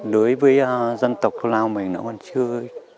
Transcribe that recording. đối với dân tộc lao mình nó còn chưa